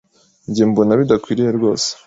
Njye mbona, bidakwiriye rwose.